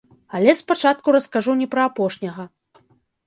Але спачатку раскажу не пра апошняга.